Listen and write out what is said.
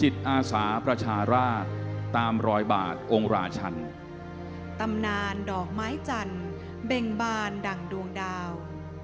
ตามรอยบาทองค์ราชาตำนานดอกไม้จันทร์เบ่งบาญดังดวงดาว